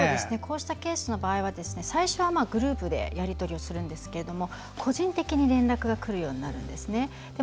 こうしたケースの場合は最初はグループでやり取りをするんですがそのうちに個人的に連絡が来るようになるんですね。